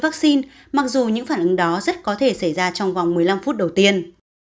vaccine mặc dù những phản ứng đó rất có thể xảy ra trong vòng một mươi năm phút đầu tiên